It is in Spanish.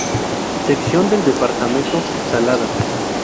Sección del departamento Saladas.